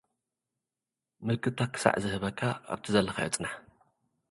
ምልክታ ክሳዕ ዝህበካ ኣብቲ ዘለኻዮ ጽናሕ።